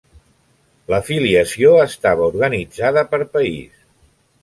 L'afiliació estava organitzada per país.